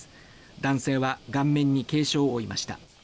男性は顔面に軽傷を負いました。